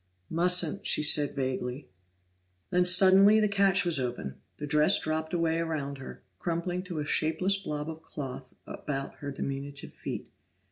"Mustn't," she said vaguely. Then suddenly the catch was open; the dress dropped away around her, crumpling to a shapeless blob of cloth about her diminutive feet.